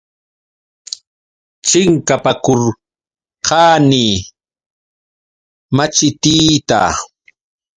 Chinkapakurqani machitiita.